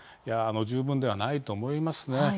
十分ではないと思いますね。